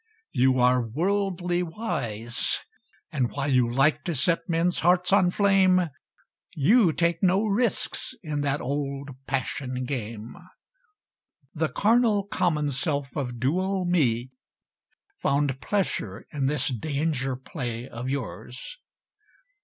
You are worldly wise, And while you like to set men's hearts on flame, You take no risks in that old passion game. The carnal, common self of dual me Found pleasure in this danger play of yours.